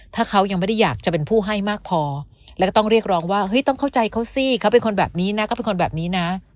ถ้าเขายังไม่ได้อยากจะเป็นผู้ให้มากพอแล้วก็ต้องเรียกร้องว่าเฮ้ยต้องเข้าใจเขาสิเขาเป็นคนแบบนี้นะก็เป็นคนแบบนี้นะ